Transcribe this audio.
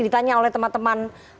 ditanya oleh teman teman